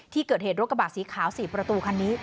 ที่เกิดเหตุรถกระบะสีขาว๔ประตูคันนี้